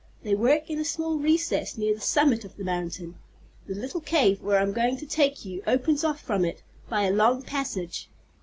"They work in a small recess, near the summit of the mountain. The little cave, where I'm going to take you, opens off from it by a long passage.